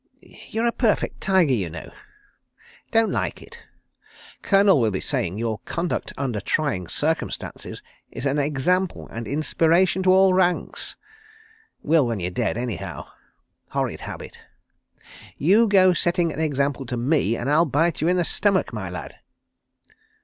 ... You're a perfect tiger, you know. ... Don't like it. ... Colonel will be saying your 'conduct under trying circumstances is an example and inspiration to all ranks.' ... Will when you're dead anyhow. ... Horrid habit. ... You go setting an example to me, and I'll bite you in the stomach, my lad.